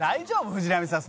藤波さん。